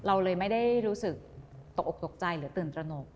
เราเลยไม่ได้รู้สึกตกออกตกใจหรือตื่นตระหนก